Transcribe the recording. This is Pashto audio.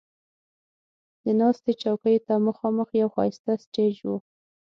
د ناستې چوکیو ته مخامخ یو ښایسته سټیج و.